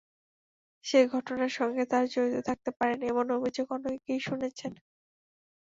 সেই ঘটনার সঙ্গে তাঁরা জড়িত থাকতে পারেন, এমন অভিযোগ অনেকেই শুনেছেন।